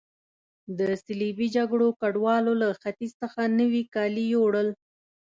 د صلیبي جګړو ګډوالو له ختیځ څخه نوي کالي یوړل.